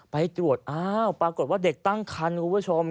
ไปตรวจอ้าวปรากฏว่าเด็กตั้งคันคุณผู้ชม